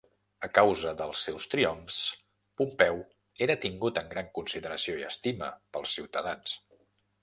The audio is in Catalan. A causa dels seus triomfs, Pompeu era tingut en gran consideració i estima pels ciutadans.